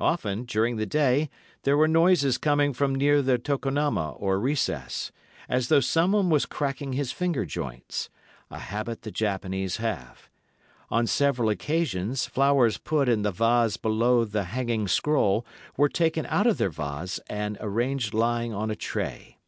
Often, during the day, there were noises coming from near the tokonoma or recess—as though someone was cracking his finger joints, a habit the Japanese have; on several occasions, flowers put in the vase below the hanging scroll were taken out of their vase and arranged lying on a tray.